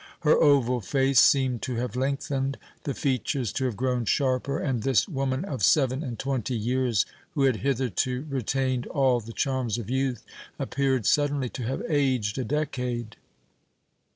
Her oval face seemed to have lengthened, the features to have grown sharper; and this woman of seven and twenty years, who had hitherto retained all the charms of youth, appeared suddenly to have aged a decade.